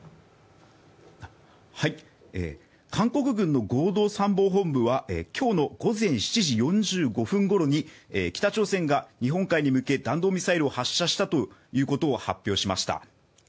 韓国軍の合同参謀本部は今日の午前７時４５分ごろに北朝鮮が日本海に向け弾道ミサイルを発射したと発表しました。